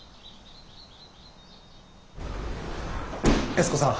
悦子さん。